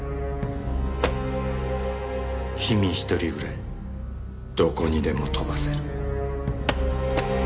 君ひとりぐらいどこにでも飛ばせる。